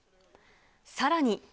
さらに。